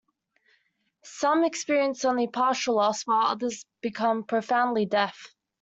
Some experience only partial loss, while others become profoundly deaf.